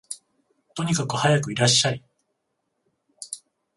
とにかくはやくいらっしゃい